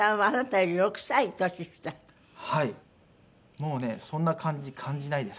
もうねそんな感じ感じないです。